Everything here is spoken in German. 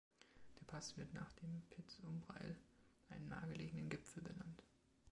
Der Pass wird nach dem "Piz Umbrail“, einem nahegelegenen Gipfel, benannt.